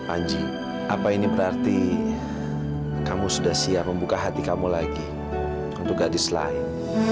anji apa ini berarti kamu sudah siap membuka hati kamu lagi untuk gadis lain